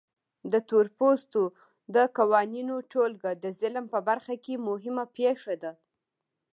د تورپوستو د قوانینو ټولګه د ظلم په برخه کې مهمه پېښه ده.